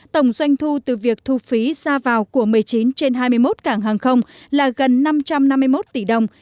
tổng doanh thu từ việc thu phí ra vào của một mươi chín trên hai mươi một cảng hàng không là gần năm trăm năm mươi một tỷ đồng